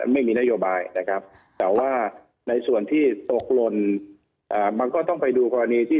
ไม่มีนโยบายแต่ว่าในส่วนที่ตกลจมันก็ต้องไปดูวันนี้